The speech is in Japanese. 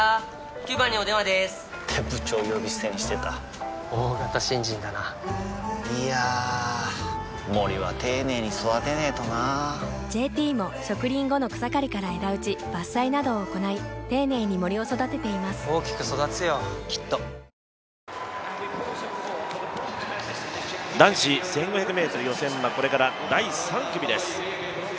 ９番にお電話でーす！って部長呼び捨てにしてた大型新人だないやー森は丁寧に育てないとな「ＪＴ」も植林後の草刈りから枝打ち伐採などを行い丁寧に森を育てています大きく育つよきっと男子１５００ｍ予選はこれから第３組です。